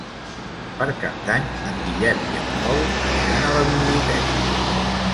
Per Cap d'Any en Guillem i en Pol aniran a la biblioteca.